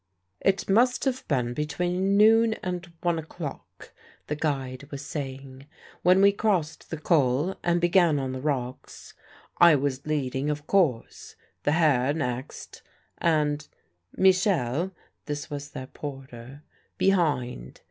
"It must have been between noon and one o'clock" the guide was saying "when we crossed the Col and began on the rocks. I was leading, of course; the Herr next, and Michel" this was their porter "behind.